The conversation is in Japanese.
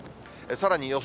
さらに予想